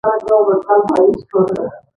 کور که بېمحبته وي، زندان ته ورته وي.